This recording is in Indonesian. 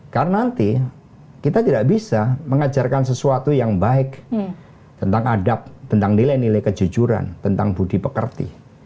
karena nanti kita tidak bisa mengajarkan sesuatu yang baik tentang adab tentang nilai nilai kejujuran tentang budi pekerti